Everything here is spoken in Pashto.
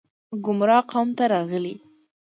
ګمراه قوم ته راغلي